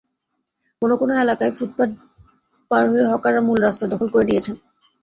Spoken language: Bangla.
কোনো কোনো এলাকায় ফুটপাত পার হয়ে হকাররা মূল রাস্তা দখল করে নিয়েছেন।